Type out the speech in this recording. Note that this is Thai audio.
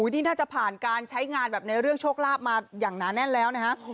นี่น่าจะผ่านการใช้งานแบบในเรื่องโชคลาภมาอย่างหนาแน่นแล้วนะฮะ